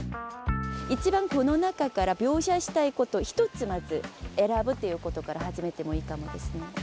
一番この中から描写したいことを１つまず選ぶということから始めてもいいかもですね。